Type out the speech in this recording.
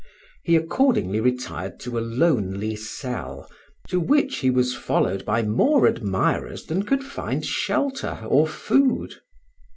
He accordingly retired to a lonely cell, to which he was followed by more admirers than could find shelter or food.